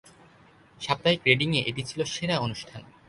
সাপ্তাহিক রেটিং এ এটি ছিল সেরা অনুষ্ঠান।